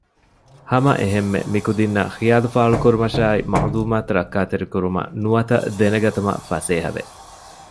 ހަމައެހެންމެ މިކުދިންނަށް ޚިޔާލުފާޅުކުރުމަށާއި މަޢުލޫމާތު ރައްކާކުރުމަށް ނުވަތަ ދެނެގަތުމަށް ފަސޭހަވެ